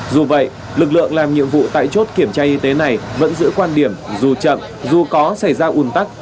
dù vậy lực lượng làm nhiệm vụ tại chốt kiểm tra y tế này vẫn giữ quan điểm dù chậm dù có xảy ra ủn tắc